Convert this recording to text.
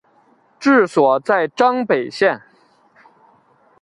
治所在张北县。